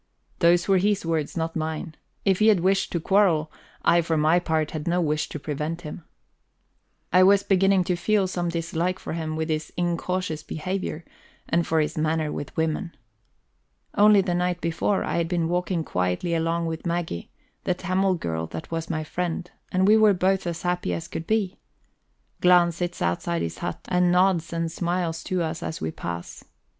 Those were his words, not mine; if he had wished to quarrel, I for my part had no wish to prevent him. I was beginning to feel some dislike for him for his incautious behavior, and for his manner with women. Only the night before, I had been walking quietly along with Maggie, the Tamil girl that was my friend, and we were both as happy as could be. Glahn sits outside his hut, and nods and smiles to us as we pass.